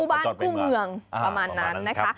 บ้านคู่เมืองประมาณนั้นนะคะ